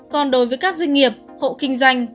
còn đối với các doanh nghiệp hộ kinh doanh